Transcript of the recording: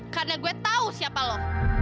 karena gue tau siapa lo